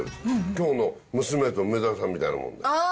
きょうの娘と梅沢さんみたいなもあー！